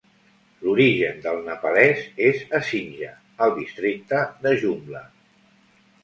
L'origen del nepalès és a Sinja, al districte de Jumla.